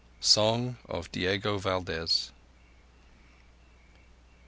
_Song of Diego Valdez.